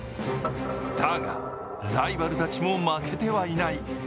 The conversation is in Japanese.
だが、ライバルたちも負けてはいない。